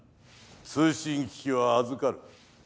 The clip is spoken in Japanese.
通信機器は預かる。